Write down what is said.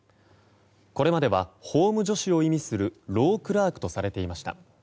これまでは法務助手を意味するロークラークとされていました。